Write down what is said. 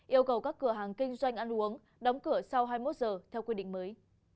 yêu cầu các cửa hàng kinh doanh ăn uống đóng cửa sau hai mươi một giờ theo quy định mới